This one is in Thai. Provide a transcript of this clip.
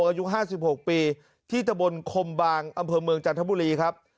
อายุ๕๖ปีที่ตะบนคมบางอำเภอเมืองจันทบุรีครับ